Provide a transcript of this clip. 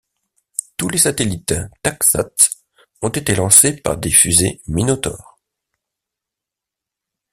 Tous les satellites TacSats ont été lancés par des fusées Minotaur.